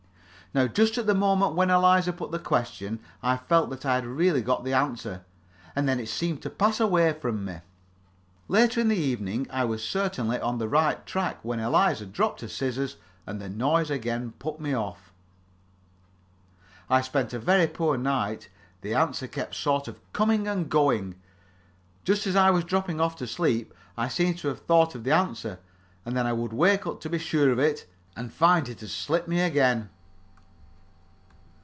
Now, just at the moment when Eliza put the question I felt that I had really got the answer, and then it seemed to pass away from me. Later in the evening I was certainly on the right track, when Eliza dropped her scissors, and the noise again put me off. I spent a very poor night; the answer kept sort of coming and going. Just as I was dropping off to sleep, I seemed to have thought of the answer, and then I would wake up to be sure of it, and find it had slipped me again.